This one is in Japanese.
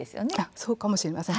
そうかもしれません。